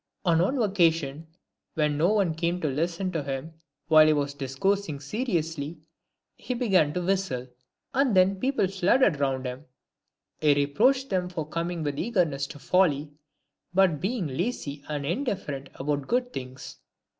On one occasion, when no one came to listen to him while he was discoursing seriously, he began to whistle. And then when people flocked round him, he reproached them for corning with eagerness to folly, but being lazy and indiffer ent about good things.